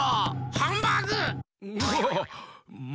ハンバーグ！